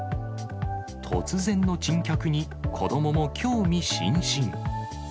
突然の珍客に、子どもも興味津々。